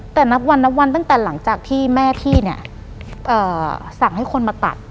แต่นับวันนับวันตั้งแต่หลังจากที่แม่พี่เนี่ยสั่งให้คนมาตัด